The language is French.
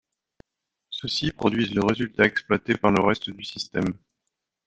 Ceux-ci produisent le résultat exploité par le reste du système.